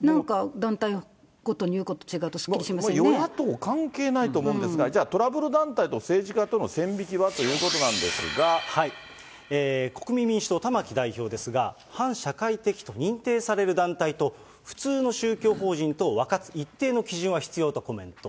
なんか団体ごとに言うこと違うと、与野党関係ないと思うんですが、じゃあ、トラブル団体と政治家との線引きはということなんで国民民主党、玉木代表ですが、反社会的と認定される団体と普通の宗教法人とを分かつ一定の基準は必要とコメント。